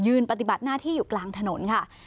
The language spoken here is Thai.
ปฏิบัติหน้าที่อยู่กลางถนนค่ะ